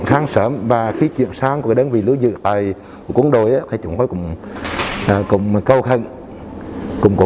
sáng sớm và khi chuyện sáng của đơn vị lưu dự tại quân đội thì chúng tôi cũng cùng cầu khăn cùng cố